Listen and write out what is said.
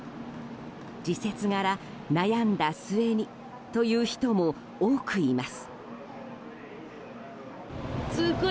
時節柄、悩んだ末にという人も多くいます。